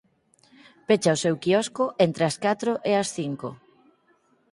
Pecha o seu quiosco entre as catro e as cinco.